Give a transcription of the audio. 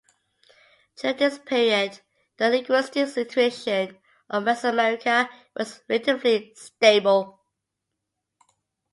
During this period the linguistic situation of Mesoamerica was relatively stable.